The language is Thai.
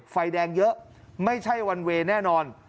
ไฟแดงเยอะไม่ใช่วันเวย์แน่นอน